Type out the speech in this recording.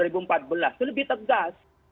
itu lebih tegas